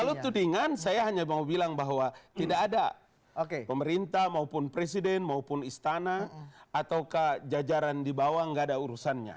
kalau tudingan saya hanya mau bilang bahwa tidak ada pemerintah maupun presiden maupun istana atau jajaran di bawah nggak ada urusannya